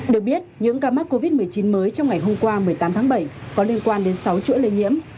được biết những ca mắc covid một mươi chín mới trong ngày hôm qua một mươi tám tháng bảy có liên quan đến sáu chuỗi lây nhiễm